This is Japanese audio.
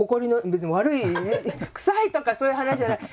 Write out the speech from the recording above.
別に悪い臭いとかそういう話じゃない。